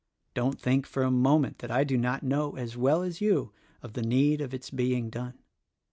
Don't think, for a moment, that I do not know, as well as you, of the need of its being done.